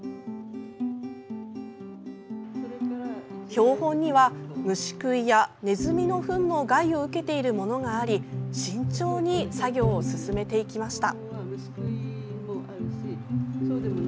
標本には、虫食いやネズミのふんの害を受けているものがあり慎重に作業を進めていきました。